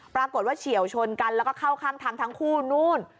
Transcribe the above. เฉียวชนกันแล้วก็เข้าข้างทางทั้งคู่นู่น